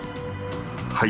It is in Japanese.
はい。